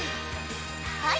「はい。